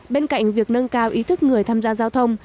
bên cạnh việc nâng cao ý thức người tham gia giao thông